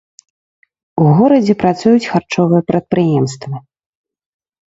У горадзе працуюць харчовыя прадпрыемствы.